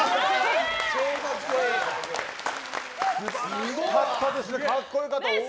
すごかったですね。